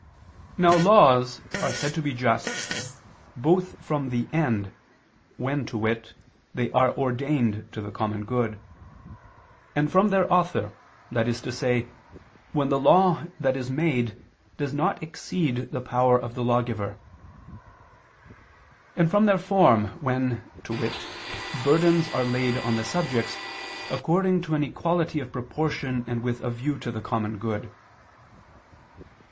Now laws are said to be just, both from the end, when, to wit, they are ordained to the common good and from their author, that is to say, when the law that is made does not exceed the power of the lawgiver and from their form, when, to wit, burdens are laid on the subjects, according to an equality of proportion and with a view to the common good.